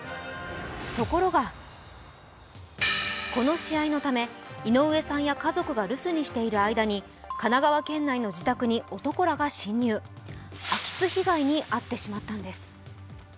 ところが、この試合のため井上さんや家族が留守にしている間に神奈川県内の自宅に男らが侵入、空き巣被害に遭ってしまったんです。